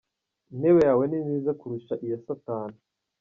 Intebe yawe ni nziza kurusha iya satani.